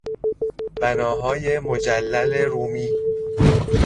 بنایهای مجلل رومی